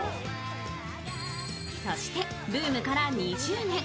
そしてブームから２０年。